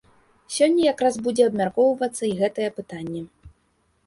Сёння якраз будзе абмяркоўвацца і гэтае пытанне.